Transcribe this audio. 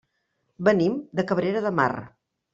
Venim de Cabrera de Mar.